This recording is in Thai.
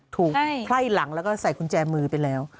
ถูกไหล้หลังแล้วก็ใส่ขนแจมือไปแล้ว